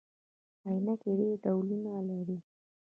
عینکي ډیر ډولونه لري